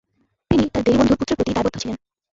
তিনি তার দেরী বন্ধুর পুত্রের প্রতি দায়বদ্ধ ছিলেন।